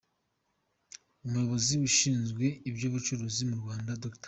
Umuyobozi ushinzwe iby’ubucukuzi mu Rwanda, Dr.